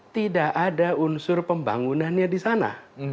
tidak ada unsur pembangunannya di sana